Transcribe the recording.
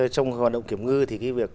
trong hoạt động kiểm ngư thì cái việc